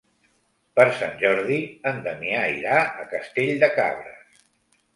Per Sant Jordi en Damià irà a Castell de Cabres.